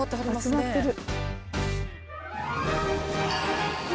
集まってる。